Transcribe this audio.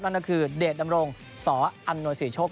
นั่นก็คือเดชน์ดำรงสอันโนยสุโชค